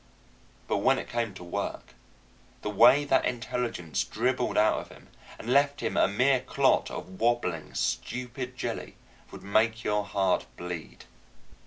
But when it came to work, the way that intelligence dribbled out of him and left him a mere clot of wobbling, stupid jelly would make your heart bleed.